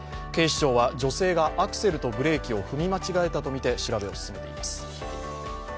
警視庁は、女性がアクセルとブレーキを踏み間違えたとみて調べを進めています。